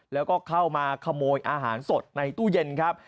แล้วก็เข้ามาขโมยอาหารสดในตู้เย็นครับ